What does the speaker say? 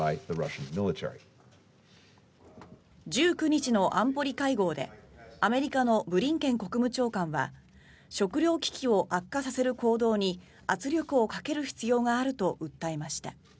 １９日の安保理会合でアメリカのブリンケン国務長官は食糧危機を悪化させる行動に圧力をかける必要があると訴えました。